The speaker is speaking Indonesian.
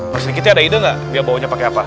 persegitnya ada ide gak dia bawanya pakai apa